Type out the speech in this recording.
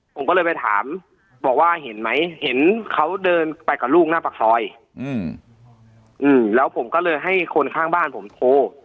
ผมก็เลยไปถามบอกว่าเห็นไหมเห็นเขาเดินไปกับลูกหน้าปากซอยแล้วผมก็เลยให้คนข้างบ้านผมโทร